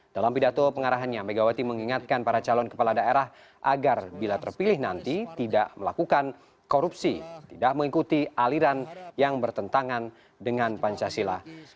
dalam pidato pengarahannya megawati mengingatkan para calon kepala daerah agar bila terpilih nanti tidak melakukan korupsi tidak mengikuti aliran yang bertentangan dengan pancasila